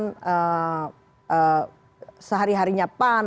dalam kegiatan sehari harinya pan